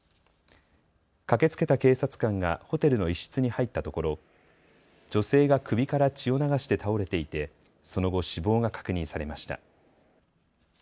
駆けつけた警察官がホテルの一室に入ったところ女性が首から血を流して倒れていてその後死亡が確認されました。